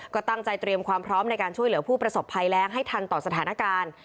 ก็ตั้งใจเตรียมความพร้อมในการช่วยเหลือผู้ประสบภัยแรงให้ทันต่อสถานการณ์